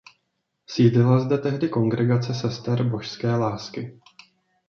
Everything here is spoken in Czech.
Sídlila zde tehdy kongregace sester Božské lásky.